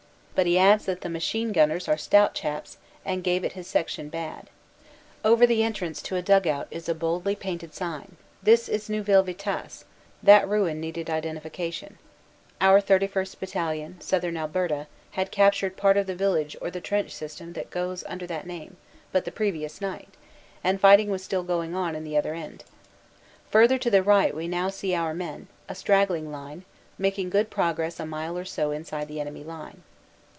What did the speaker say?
But he adds that the machine gunners are stout chaps and gave it his section bad. Over the entrance to a dug out is a boldly painted sign: "THIS IS NEUVILLE VITASSE/ That ruin needed identifica tion. Our 31st. Battalion, Southern Alberta, had captured part of the village or the trench system that goes under that name but the previous night, and fighting was still going on in the other end. Further to the right we now bcc our men, a straggling line, making good progress a mile or so inside the enemy line.